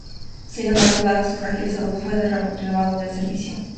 Sin embargo, dada su frágil salud, fue relevado del servicio.